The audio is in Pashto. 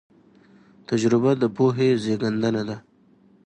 تجربه د پوهې زېږنده ده.